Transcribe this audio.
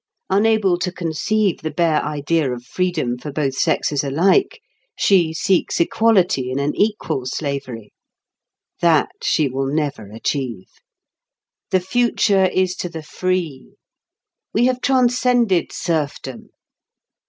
Unable to conceive the bare idea of freedom for both sexes alike, she seeks equality in an equal slavery. That she will never achieve. The future is to the free. We have transcended serfdom.